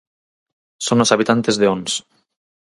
Son os habitantes de Ons.